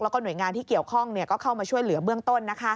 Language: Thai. แล้วก็หน่วยงานที่เกี่ยวข้องก็เข้ามาช่วยเหลือเบื้องต้น